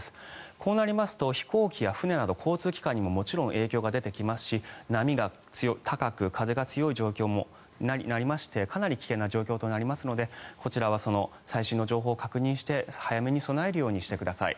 こうなりますと飛行機や船など交通機関にももちろん影響が出てきますし波が高く風が強い状況になりましてかなり危険な状況となりますのでこちらは最新の情報を確認して早めに備えるようにしてください。